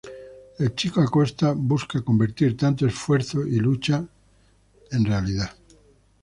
El chico Acosta busca convertir tanto esfuerzo y lucha en realidad.